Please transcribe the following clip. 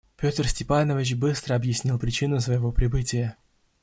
Петр Степанович быстро объяснил причину своего прибытия.